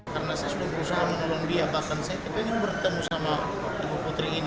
karena saya selalu berusaha menolong dia bahkan saya ingin bertemu sama ibu putri ini